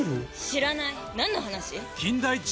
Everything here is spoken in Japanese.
知らない何の話？